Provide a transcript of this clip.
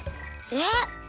えっ！？